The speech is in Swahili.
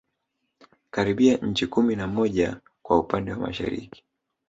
Karibia nchi kumi na moja kwa upande wa Mashariki